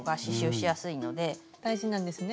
大事なんですね。